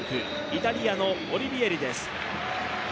イタリアのオリビエリです。